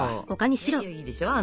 いいでしょ。